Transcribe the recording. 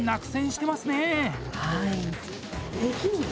はい。